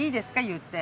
言って。